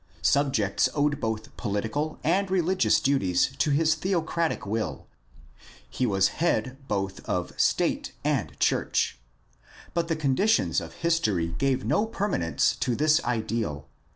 Subjects owed both political and religious duties to his theocratic will. He was head both of state and church. But the conditions of history gave no permanence to this ideal.